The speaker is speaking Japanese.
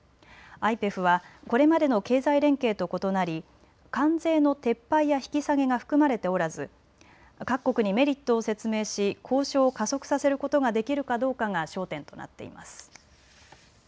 ＩＰＥＦはこれまでの経済連携と異なり関税の撤廃や引き下げが含まれておらず各国にメリットを説明し交渉を加速させることができるかどうかが焦点となっています。